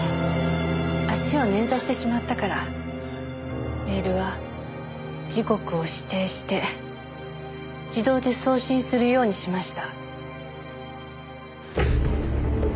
足を捻挫してしまったからメールは時刻を指定して自動で送信するようにしました。